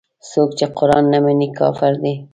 څوک چې قران نه مني کافر دی.